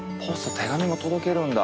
手紙も届けるんだ。